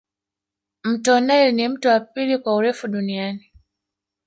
mto nile ni mto wa pili kwa urefu duniani